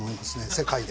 世界で。